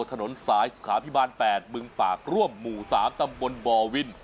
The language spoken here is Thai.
ถนนสายสุขาพิบาล๘บึงปากร่วมหมู่๓ตำบลบ่อวิน